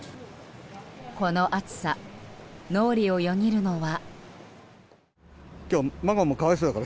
この暑さ、脳裏をよぎるのは。